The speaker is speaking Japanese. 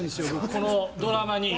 このドラマに。